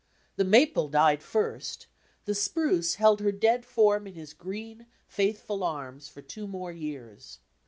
The maple died first; the spruce held her dead form in his green, faithful arms for two more years.